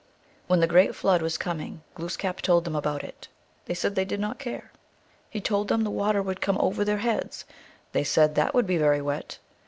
When the great Flood was coming Glooskap told them about it. They said they did not care. He told them the water would come over their heads. They said that would be very wet.